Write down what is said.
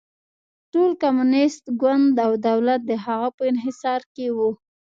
ټول کمونېست ګوند او دولت د هغه په انحصار کې و.